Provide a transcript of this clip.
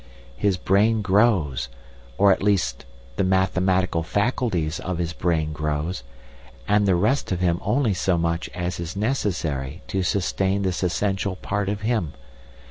His brain grows, or at least the mathematical faculties of his brain grow, and the rest of him only so much as is necessary to sustain this essential part of him.